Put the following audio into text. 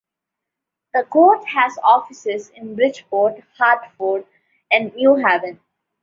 The court has offices in Bridgeport, Hartford, and New Haven.